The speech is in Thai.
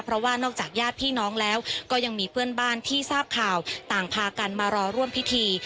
เพราะว่านอกจากญาติพี่น้องแล้วก็ยังมีเพื่อนบ้านที่ทราบข่าวต่างพากันมารอร่วมพิธี